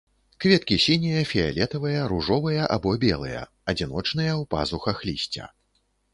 Кветкі сінія, фіялетавыя, ружовыя або белыя, адзіночныя ў пазухах лісця.